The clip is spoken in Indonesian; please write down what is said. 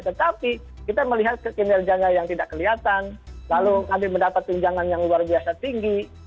tetapi kita melihat kinerjanya yang tidak kelihatan lalu kami mendapat pinjangan yang luar biasa tinggi